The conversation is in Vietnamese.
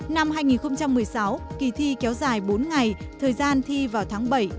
năm hai nghìn một mươi sáu kỳ thi kéo dài bốn ngày thời gian thi vào tháng bảy